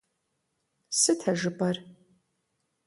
Сыт а жыпӀэр?!